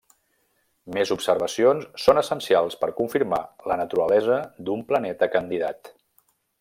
Més observacions són essencials per confirmar la naturalesa d'un planeta candidat.